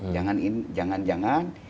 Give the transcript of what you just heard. jangan ini jangan jangan